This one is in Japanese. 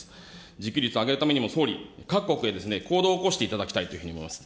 自給率を上げるためにも、総理、各国へ行動を起こしていただきたいというふうに思います。